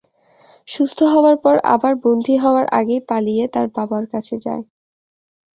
সুস্থ হওয়ার পর আবার বন্দি হওয়ার আগেই পালিয়ে তার বাবার কাছে যায়।